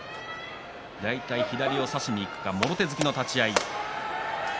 大体左を差しにいくかもろ手突きの立ち合いです。